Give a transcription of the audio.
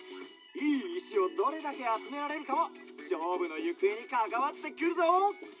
いいいしをどれだけあつめられるかもしょうぶのゆくえにかかわってくるぞ。